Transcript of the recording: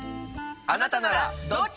あなたならどっち？